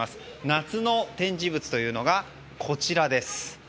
夏の展示物というのがこちらです。